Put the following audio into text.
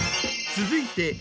続いて。